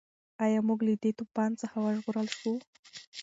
ایا موږ له دې طوفان څخه وژغورل شوو؟